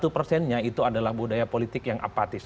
satu persennya itu adalah budaya politik yang apatis